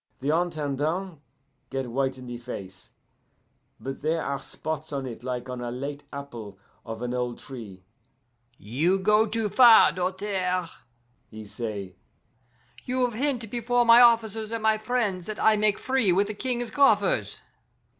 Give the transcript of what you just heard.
The Intendant get white in the face, but there are spots on it like on a late apple of an old tree. 'You go too far, Doltaire,' he say. 'You have hint before my officers and my friends that I make free with the King's coffers.